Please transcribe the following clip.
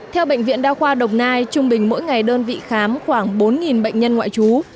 theo bệnh viện đa khoa đồng nai trung bình mỗi ngày đơn vị khám khoảng bốn bệnh nhân ngoại trú